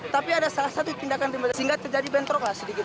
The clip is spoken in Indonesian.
tapi ada salah satu tindakan sehingga terjadi bentroklah sedikit